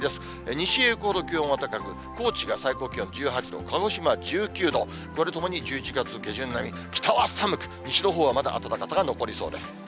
西へ行くほど気温が高く、高知が最高気温１８度、鹿児島１９度、これ、ともに１１月並み、北は寒く、西のほうはまだ暖かさが残りそうです。